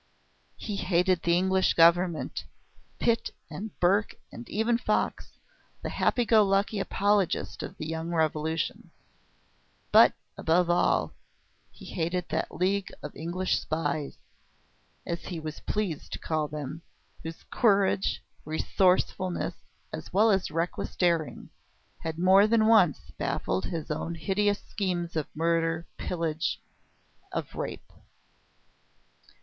He hated the English government, Pitt and Burke and even Fox, the happy go lucky apologist of the young Revolution. But, above all, he hated that League of English spies as he was pleased to call them whose courage, resourcefulness, as well as reckless daring, had more than once baffled his own hideous schemes of murder, of pillage, and of rape.